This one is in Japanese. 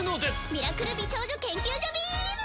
ミラクル美少女研究所ビーム！